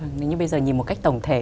nhưng bây giờ nhìn một cách tổng thể